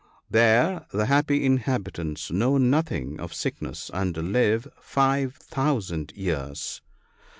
There the happy inhabitants know nothing of sick ness, and live 5,000 years.